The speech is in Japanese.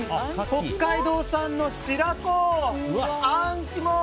北海道産の白子、あん肝！